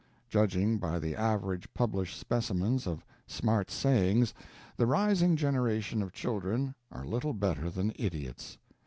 Judging by the average published specimens of smart sayings, the rising generation of children are little better than idiots.